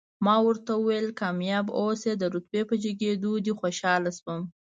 ما ورته وویل، کامیاب اوسئ، د رتبې په جګېدو دې خوشاله شوم.